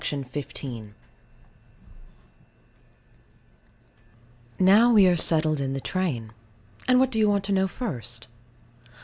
Now we are settled in the train. And what do you want to know first?